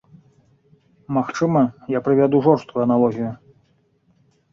Магчыма, я прывяду жорсткую аналогію.